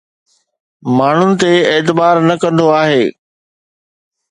ماڻهن تي اعتبار نه ڪندو آهي